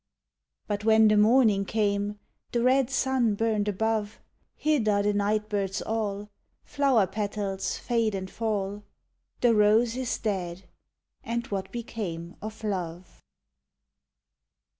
But when the morning came The red sun burned above; Hid are the night birds all, Flower petals fade and fall; The rose is dead and what became of love!